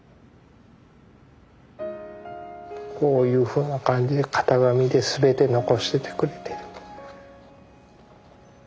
こういうふうな感じで型紙で全て残しててくれて。